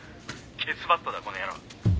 ケツバットだこの野郎。